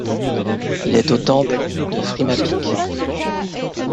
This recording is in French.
Il est au Temple de Frimapic.